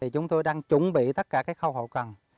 chúng tôi đang chuẩn bị tất cả khâu hậu cần